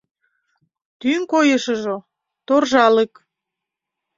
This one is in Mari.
Тӱҥ койышыжо — торжалык.